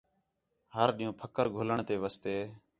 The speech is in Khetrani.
ہر ݙِین٘ہوں پھکر ڳاہلݨ تے واسطے